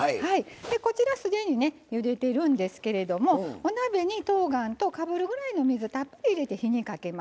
こちらすでにねゆでてるんですけれどもお鍋にとうがんとかぶるぐらいの水たっぷり入れて火にかけますね。